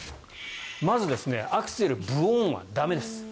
まずアクセルブオーンは駄目です。